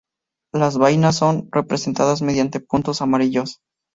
Las vainas son representadas mediante puntos amarillos.